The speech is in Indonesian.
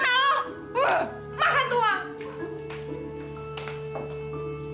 makan tuh wak